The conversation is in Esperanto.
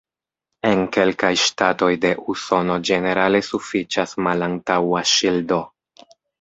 En kelkaj ŝtatoj de Usono ĝenerale sufiĉas malantaŭa ŝildo.